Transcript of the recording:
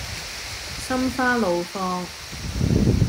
心花怒放